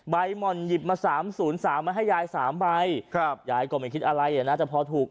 ใบม่อนหยิบมา๓๐๓มายาย๓ใบยายก็ไม่คิดอะไรน่าจะพอถูก